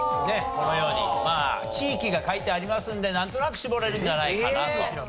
このように地域が書いてありますんでなんとなく絞れるんじゃないかなと。